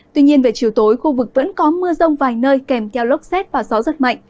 tuy nhiên về chiều tối khu vực vẫn có mưa rông vài nơi kèm theo lốc xét và gió rất mạnh